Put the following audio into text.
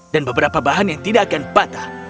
dan beberapa bahan yang tidak akan patah